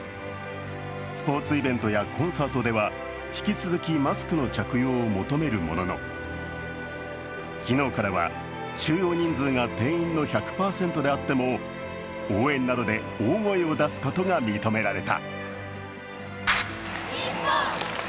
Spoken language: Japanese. スポ−ツイベントやコンサートでは引き続きマスクの着用を求めるものの昨日からは収容人数が定員の１００％であっても応援などで大声を出すことが認められた。